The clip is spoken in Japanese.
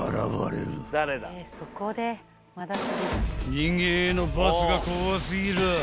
［人間への罰が怖すぎる！